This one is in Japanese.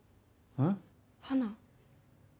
花？